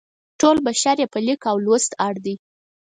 ټول بشر یې په لیک او لوست اړ دی.